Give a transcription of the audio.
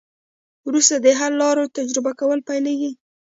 وروسته د حل لارو تجربه کول پیلیږي.